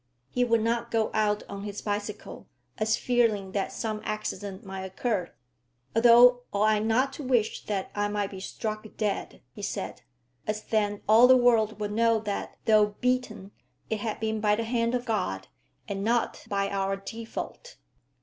He would not go out on his bicycle, as fearing that some accident might occur. "Although, ought I not to wish that I might be struck dead?" he said; "as then all the world would know that though beaten, it had been by the hand of God, and not by our default."